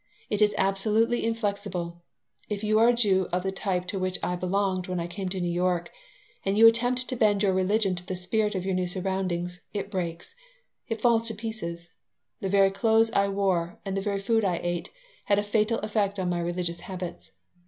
It is absolutely inflexible. If you are a Jew of the type to which I belonged when I came to New York and you attempt to bend your religion to the spirit of your new surroundings, it breaks. It falls to pieces. The very clothes I wore and the very food I ate had a fatal effect on my religious habits.